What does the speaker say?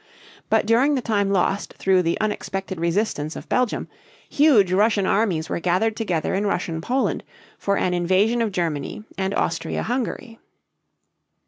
But during the time lost through the unexpected resistance of Belgium huge Russian armies were gathered together in Russian Poland for an invasion of Germany and Austria Hungary.